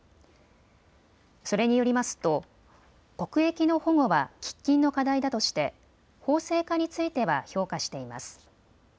それによりますと国益の保護は喫緊の課題だとして、法制化については評価しています。